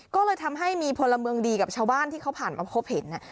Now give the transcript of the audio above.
ก็เลยทำให้มีพลเมืองดีกับชาวบ้านที่เขาผ่านมาพบเห็น